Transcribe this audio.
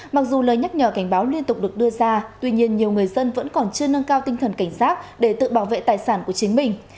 mặc dù lời nhắc nhở cảnh báo liên tục được đưa ra tuy nhiên nhiều người dân vẫn còn chưa nâng cao tinh thần cảnh giác để tự bảo vệ tài sản của chính mình